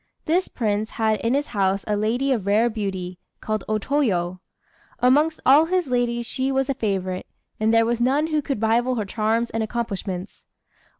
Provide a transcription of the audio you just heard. This prince had in his house a lady of rare beauty, called O Toyo: amongst all his ladies she was the favourite, and there was none who could rival her charms and accomplishments.